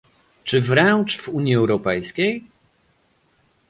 Czy wręcz w Unii Europejskiej?